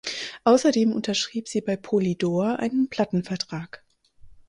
Außerdem unterschrieb sie bei Polydor einen Plattenvertrag.